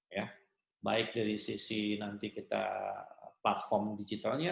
ya baik dari sisi nanti kita platform digitalnya